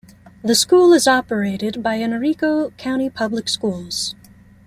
The school is operated by Henrico County Public Schools.